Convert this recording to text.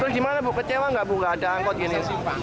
terus gimana bu kecewa nggak bu nggak ada angkut gini